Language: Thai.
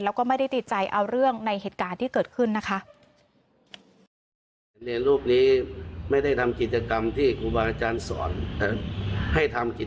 แล้วก็ไม่ได้ติดใจเอาเรื่องในเหตุการณ์ที่เกิดขึ้นนะคะ